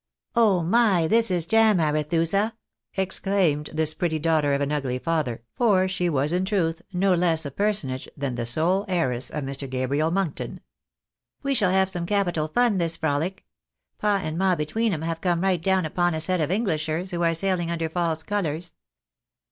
" Oh my ! This is jam, Arethusa," exclaimed this pretty daugh ter of an ugly father, for she was in truth no less a personage than tne BOie heiress of Mr. Gabriel Monkton. " We shaU have some capital fun this frolic. Pa and ma between 'em have come right down upon a set of Englishers, who are saihng under false colours.